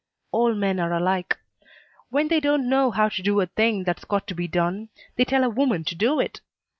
All men are alike. When they don't know how to do a thing that's got to be done, they tell a woman to do it.